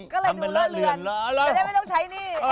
ก็เลยไม่ต้องใช้หนี้